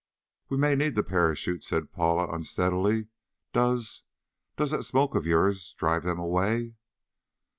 "We may need the parachute," said Paula unsteadily. "Does does that smoke of yours drive them away?"